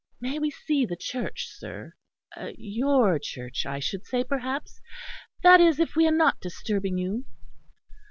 "May we see the church, sir; your church, I should say perhaps; that is, if we are not disturbing you."